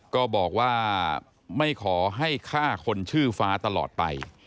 ก็บอกว่าไม่ขอให้ฆ่าคนชื่อฟ้าตลอดไป